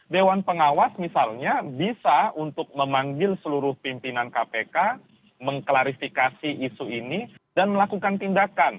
dewan pengawas misalnya bisa untuk memanggil seluruh pimpinan kpk mengklarifikasi isu ini dan melakukan tindakan